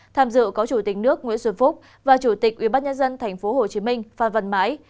tham dự có chủ tịch nước nguyễn xuân phúc và chủ tịch ubnd tp hcm phan văn mãi